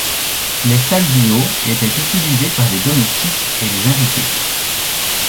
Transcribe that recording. Les salles du haut étaient utilisées par les domestiques et les invités.